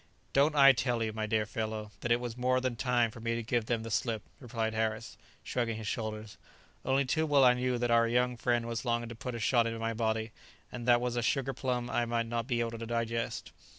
"Don't I tell you, my dear fellow, that it was more than time for me to give them the slip?" replied Harris, shrugging his shoulders. "Only too well I knew that our young friend was longing to put a shot into my body, and that was a sugar plum I might not be able to digest."